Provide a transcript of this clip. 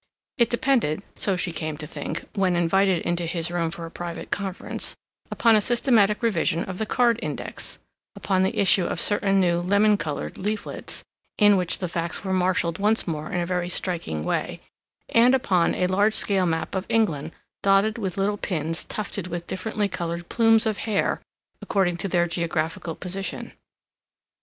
It depended, so she came to think, when invited into his room for a private conference, upon a systematic revision of the card index, upon the issue of certain new lemon colored leaflets, in which the facts were marshaled once more in a very striking way, and upon a large scale map of England dotted with little pins tufted with differently colored plumes of hair according to their geographical position.